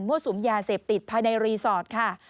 สุมยาเสพติดภายในรีสอร์ทค่ะ